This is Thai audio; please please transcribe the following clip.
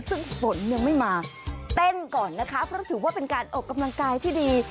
ซึ่งฝนยังไม่มาเต้นก่อนนะคะเพราะถือว่าเป็นการออกกำลังกายที่ดี